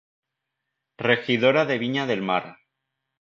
Regidora de Viña del Mar.